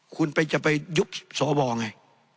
คุณไปจะไปยุบสวไง